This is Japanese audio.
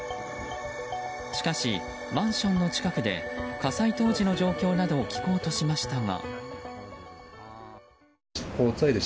しかし、マンションの近くで火災当時の状況などを聞こうとしましたが。